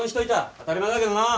当たり前だけどな！